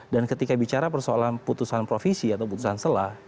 dan ketika bicara persoalan putusan provisi atau putusan selah